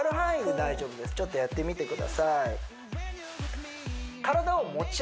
ちょっとやってみてください